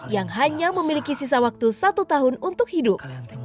yang hanya memiliki sisa waktu satu tahun untuk hidup